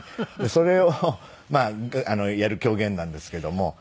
それをやる狂言なんですけども。